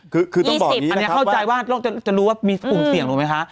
คือคือต้องบอกอย่างนี้นะครับอันนี้เข้าใจว่าตรงจะรู้ว่ามีโอกาสที่สิี่ยงหรือไหมข้า